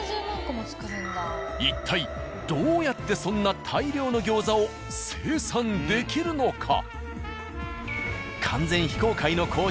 一体どうやってそんな大量の餃子を生産できるのか？